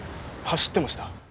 走ってました。